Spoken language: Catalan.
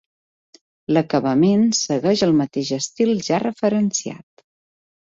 L'acabament segueix el mateix estil ja referenciat.